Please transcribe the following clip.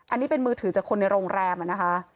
อันนี้เป็นมือถือจากคนในโรงแรมนะคะ